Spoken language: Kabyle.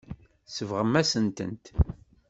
Tsebɣem-as-tent.